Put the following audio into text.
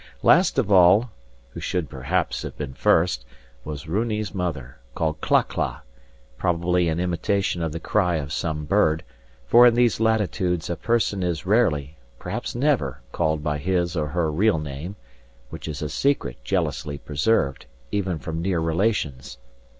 Last of all, who should perhaps have been first, was Runi's mother, called Cla cla, probably in imitation of the cry of some bird, for in these latitudes a person is rarely, perhaps never, called by his or her real name, which is a secret jealously preserved, even from near relations.